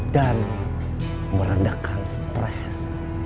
dan merendahkan stres